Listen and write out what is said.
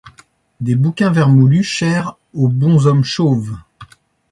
Des bouquins vermoulus chers aux bonshommes chauves ;